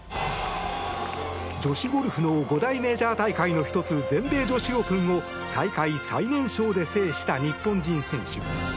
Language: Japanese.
女子ゴルフの五大メジャー大会の１つ全米女子オープンを大会最年少で制した日本人選手。